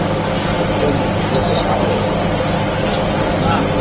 Mzoga hufura au kuvimba